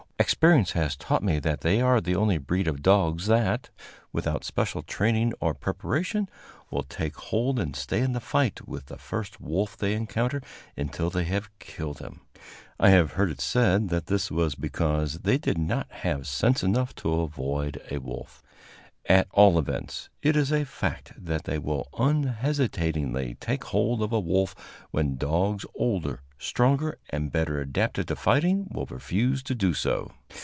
Experience has taught me that they are the only breed of dogs that, without special training or preparation, will take hold and stay in the fight with the first wolf they encounter until they have killed him. I have heard it said that this was because they did not have sense enough to avoid a wolf. At all events, it is a fact that they will unhesitatingly take hold of a wolf when dogs older, stronger and better adapted to fighting will refuse to do so.